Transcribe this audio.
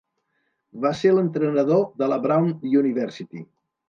Va ser l'entrenador de la Brown University.